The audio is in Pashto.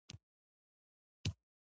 جریان د الکترونونو حرکت دی.